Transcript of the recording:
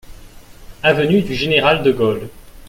Avenue du Général de Gaulle.